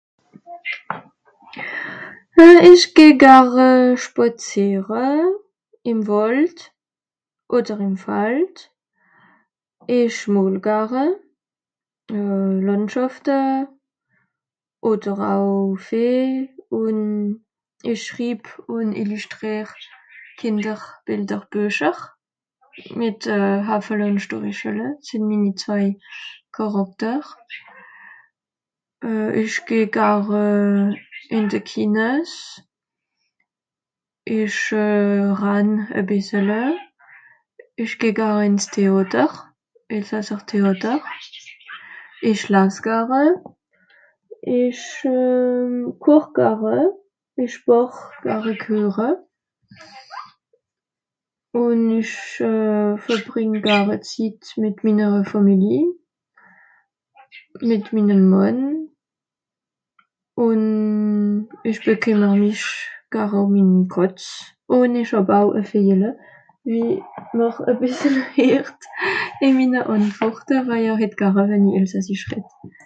Euh ìch geh gare spàzìere ìm Wàld, odder ìm Fald, ìch mol gare. Euh Làndschàfte odder au Vìeh, ùn ìch schribb ùn illüschtrìer Kìnder.... Kìnderbìecher mìt euh Haffele ùn Storrichele, sìnn minni zwei Chàràchter. Euh ìch geh gare ìn de Kines. Ìch euh rann e bìssele. Ìch geh gare ìns Téàter, elsasser Téàter. Ìch las gare. Ìch euh koch gare. Ìch bàch Flammeküeche. Ùn ìch euh verbrìng gare Zitt mìt minnere Fàmili, mìt minnem Mànn, ùn ìch bekìmmer mich gare ùm min Kàtz. Ùn ìch hàb au e Véjele wie màcht e bìssele Heert ìn minne Àntworte waje er het gare wenn i elsassisch redd.